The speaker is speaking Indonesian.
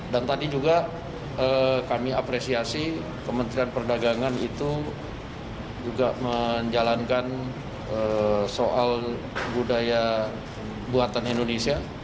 dan tadi juga kami apresiasi kementerian perdagangan itu juga menjalankan soal budaya buatan indonesia